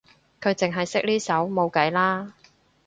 佢淨係識呢首冇計啦